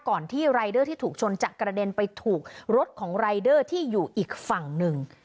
ที่รายเดอร์ที่ถูกชนจะกระเด็นไปถูกรถของรายเดอร์ที่อยู่อีกฝั่งหนึ่ง